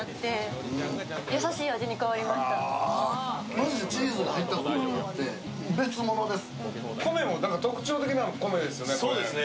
まじでチーズが入ったことによって、別物です。